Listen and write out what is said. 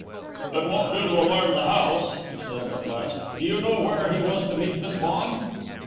"It won't do to alarm the house," he said, at last. "Do you know where he was to meet Miss Vaughan?"